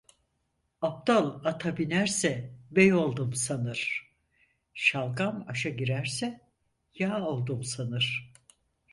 Aptal ata binerse bey oldum sanır, şalgam aşa girerse yağ oldum sanır.